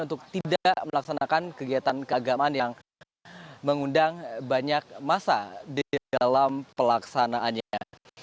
untuk tidak melaksanakan kegiatan keagamaan yang mengundang banyak masa di dalam pelaksanaannya